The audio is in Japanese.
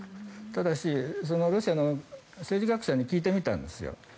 ただし、ロシアの政治学者に聞いてみたんですよ。